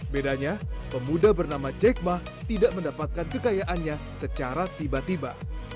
bedanya pemuda bernama jack ma tidak mendapatkan kekayaannya secara tiba tiba